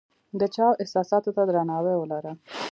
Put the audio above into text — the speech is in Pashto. د چا و احساساتو ته درناوی ولره !